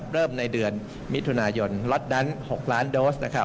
เริ่มในเดือนมิถุนายนล็อตดัน๖ล้านโดส